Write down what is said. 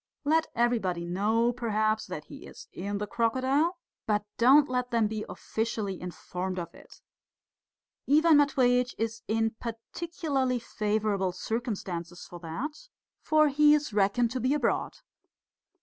Let everybody know, perhaps, that he is in the crocodile, but don't let them be officially informed of it. Ivan Matveitch is in particularly favourable circumstances for that, for he is reckoned to be abroad.